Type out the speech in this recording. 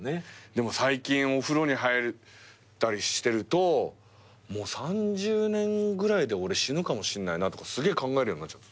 でも最近お風呂に入ったりしてるともう３０年ぐらいで俺死ぬかもしんないなとかすげえ考えるように。